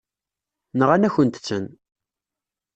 Nɣan-akent-ten.